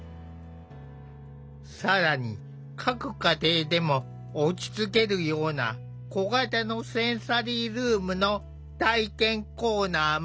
更に各家庭でも落ち着けるような小型のセンサリールームの体験コーナーも。